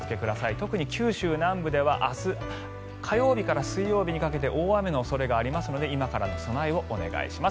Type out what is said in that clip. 特に九州南部では明日火曜日から水曜日にかけて大雨の恐れがありますので今からの備えをお願いします。